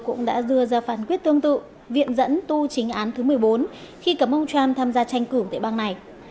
ông đã dựa ra phản quyết tương tự viện dẫn tu chính án thứ một mươi bốn khi cấm ông trump tham gia tranh cử tại bang này